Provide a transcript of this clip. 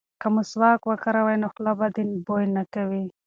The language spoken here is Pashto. که مسواک وکاروې نو خوله به دې بوی نه کوي.